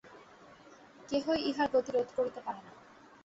কেহই ইহার গতি রোধ করিতে পারে না।